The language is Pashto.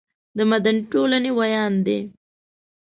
د مدني ټولنې ویاند دی.